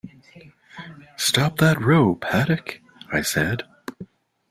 “Stop that row, Paddock,” I said.